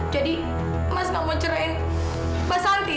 jadi mas gak mau mencerai mbak santi